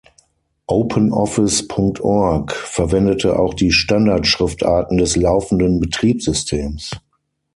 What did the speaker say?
OpenOffice.org verwendete auch die Standardschriftarten des laufenden Betriebssystems.